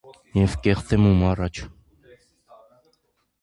Եվ կեղծեմ ո՞ւմ առաջ: